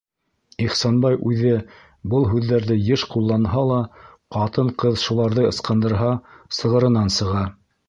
Ихсанбай үҙе был һүҙҙәрҙе йыш ҡулланһа ла, ҡатын-ҡыҙ шуларҙы ысҡындырһа, сығырынан сыға.